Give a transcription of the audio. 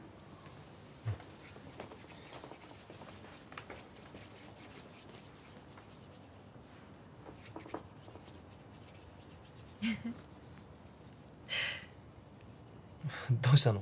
うんフフどうしたの？